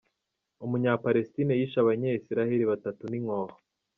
Umunyepalestine yishe abanye Israel batatu n'inkoho.